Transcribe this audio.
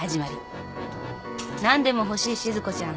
何でも欲しいしず子ちゃん。